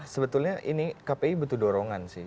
sebetulnya ini kpi butuh dorongan sih